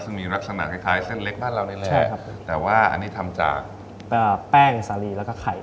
ซึ่งมีลักษณะคล้ายคล้ายเส้นเล็กบ้านเรานี่แหละใช่ครับแต่ว่าอันนี้ทำจากแป้งสาลีแล้วก็ไข่